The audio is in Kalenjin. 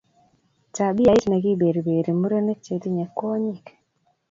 Tabiait ni kiberberi murenik che tinye kwonyik